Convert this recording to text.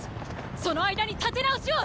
その間に立て直しをっ！